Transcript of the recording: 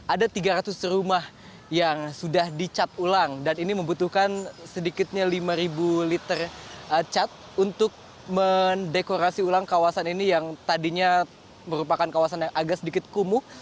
ada tiga ratus rumah yang sudah dicat ulang dan ini membutuhkan sedikitnya lima liter cat untuk mendekorasi ulang kawasan ini yang tadinya merupakan kawasan yang agak sedikit kumuh